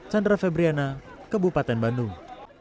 chandra febriana kebupaten bandung